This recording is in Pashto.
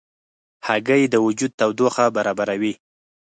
هګۍ د وجود تودوخه برابروي.